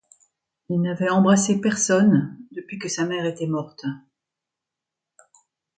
Il n'avait embrassé personne, depuis que sa mère était morte.